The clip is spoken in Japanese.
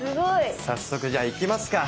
早速じゃあいきますか。